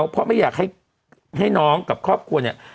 เพราะไม่อยากให้น้องกับครอบครัวเนี่ย